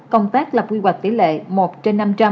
công tác lập quy hoạch tỷ lệ một trên năm trăm linh